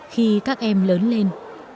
khi các em lớn lên